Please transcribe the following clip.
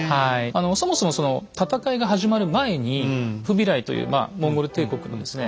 あのそもそもその戦いが始まる前にフビライというモンゴル帝国のですね